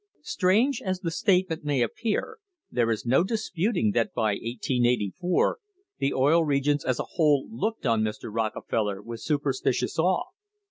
Strange as the state ment may appear, there is no disputing that by 1884 the Oil Regions as a whole looked on Mr. Rockefeller with super stitious awe.